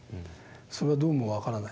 それはどうも分からない。